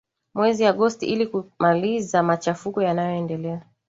mwezi agost ili kumaliza machafuko yanayoendelea